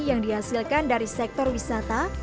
yang dihasilkan dari sektor wisata